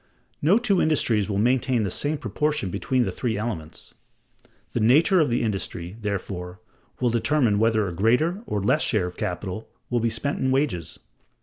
No two industries will maintain the same proportion between the three elements. The nature of the industry, therefore, will determine whether a greater or a less share of capital will be spent in wages.